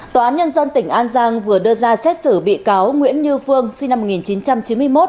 tòa án nhân dân tỉnh an giang vừa đưa ra xét xử bị cáo nguyễn như phương sinh năm một nghìn chín trăm chín mươi một